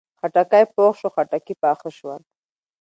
خټکی پوخ شو، خټکي پاخه شول